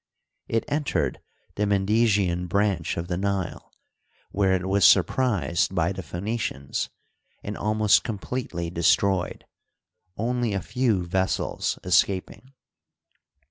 It entered the Mendesian branch of the Nile, where it was surprised by the Phoenicians, and almost completely destroyed, only a few vessels escaping.